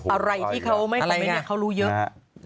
อะไรที่เขาไม่คอมเมนต์เขารู้เยอะ